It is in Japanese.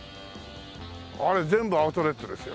あれ全部アウトレットですよ。